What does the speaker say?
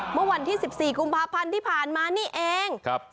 เมื่อวันที่๑๔กุมภาพันธ์ที่ผ่านมานี่เอง